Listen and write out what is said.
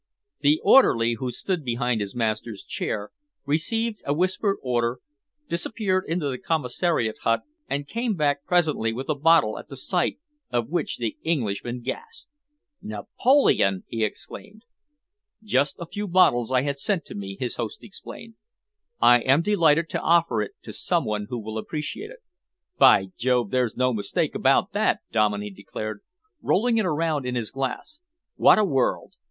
The orderly who stood behind his master's chair, received a whispered order, disappeared into the commissariat hut and came back presently with a bottle at the sight of which the Englishman gasped. "Napoleon!" he exclaimed. "Just a few bottles I had sent to me," his host explained. "I am delighted to offer it to some one who will appreciate it." "By Jove, there's no mistake about that!" Dominey declared, rolling it around in his glass. "What a world!